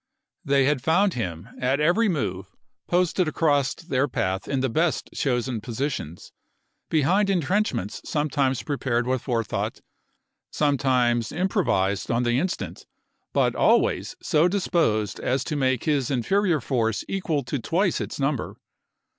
They had found him, at every move, posted across their path in the best chosen positions, behind intrenchments sometimes pre pared with forethought, sometimes improvised on the instant, but always so disposed as to make his inferior force equal to twice its number.